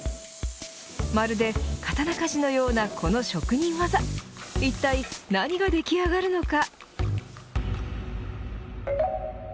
まるで刀鍛冶のようなこの職人技いったい何が出来上がるのか。